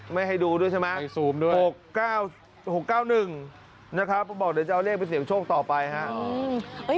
ไม่ให้ดูด้วยใช่ไหม๖๙๖๙๑นะครับบอกเดี๋ยวจะเอาเลขไปเสี่ยงโชคต่อไปครับ